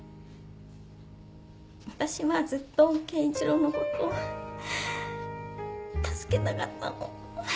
私はずっと圭一郎のことを助けたかったの。